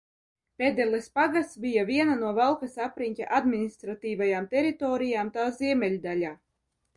Pedeles pagasts bija viena no Valkas apriņķa administratīvajām teritorijām tā ziemeļdaļā.